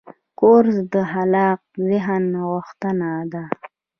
کورس د خلاق ذهن غوښتنه ده.